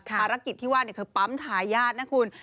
ภารกิจที่ว่าเนี่ยคือปั๊มถ่ายญาตินะคุณ